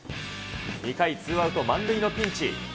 ２回ツーアウト満塁のピンチ。